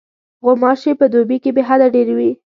غوماشې په دوبي کې بېحده ډېرې وي.